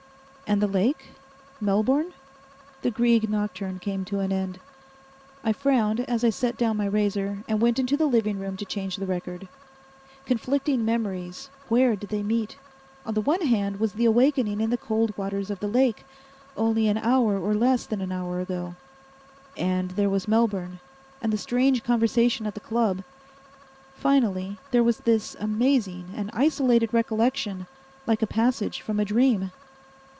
And the lake? Melbourne? The Grieg nocturne came to an end. I frowned as I set down my razor, and went into the living room to change the record. Conflicting memories ... where did they meet? On the one hand was the awakening in the cold waters of the lake only an hour or less than an hour ago. And there was Melbourne, and the strange conversation at the Club. Finally there was this amazing and isolated recollection, like a passage from a dream.